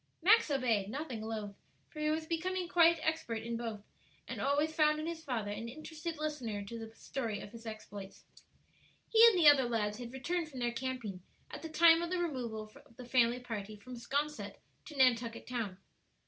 Max obeyed, nothing loath, for he was becoming quite expert in both, and always found in his father an interested listener to the story of his exploits. He and the other lads had returned from their camping at the time of the removal of the family party from 'Sconset to Nantucket Town.